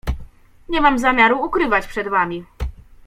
"Nie mam zamiaru ukrywać przed wami."